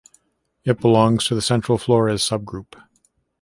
It belongs to the Central Flores subgroup.